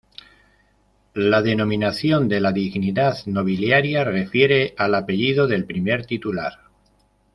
La denominación de la dignidad nobiliaria refiere al apellido del primer titular.